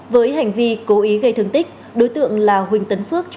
với hành vi cố ý gây thương tích đối tượng là huỳnh tấn phước